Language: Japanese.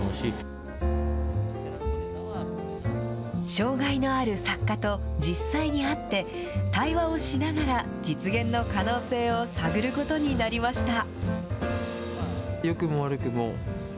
障害のある作家と実際に会って、対話をしながら実現の可能性を探ることになりました。